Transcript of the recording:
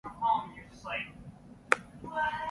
Only one prototype was built.